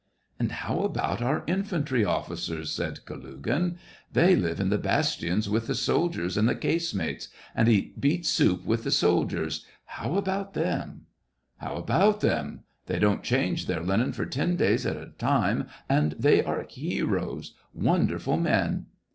" And how about our infantry officers }" said 62 SEVASTOPOL IN MAY. Kalugin. " They live in the bastions with the soldiers in the casemates and eat beet soup with the soldiers — how about them ?"^' How about them ? They don't change their linen for ten days at a time, and they are heroes — wonderful men."